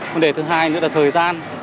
vấn đề thứ hai nữa là thời gian